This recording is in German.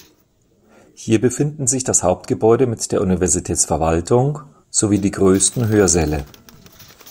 Hier befinden sich das Hauptgebäude mit der Universitätsverwaltung sowie die größten Hörsäle.